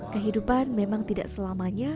kehidupan memang tidak selamanya